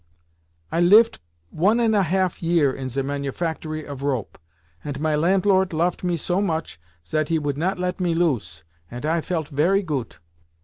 "I livet one ant a half year in ze manufactory of rope, ant my lantlort loaft me so much zat he would not let me loose. Ant I felt very goot.